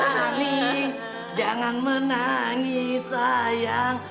hany jangan menangis sayang